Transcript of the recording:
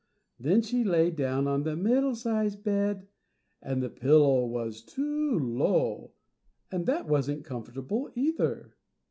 Then she lay down on the +middle sized bed+, and the pillow was too low, and that wasn't comfortable either.